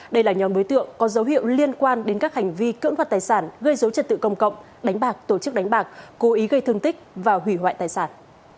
đây là nhóm đối tượng có dấu hiệu liên quan đến các hành vi cưỡng đoạt tài sản gây dối trật tự công cộng đánh bạc tổ chức đánh bạc cố ý gây thương tích và hủy hoại tài sản